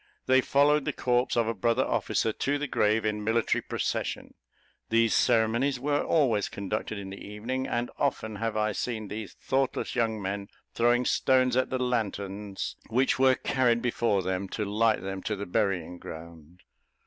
They followed the corpse of a brother officer to the grave in military procession. These ceremonies were always conducted in the evening, and often have I seen these thoughtless young men throwing stones at the lanthorns which were carried before them to light them to the burying ground.